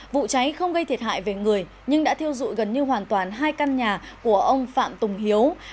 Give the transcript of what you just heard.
vụ cháy không gây thiệt hại về người nhưng đã thiêu dụi gần như hoàn toàn hai căn nhà của ông phạm tùng hiếu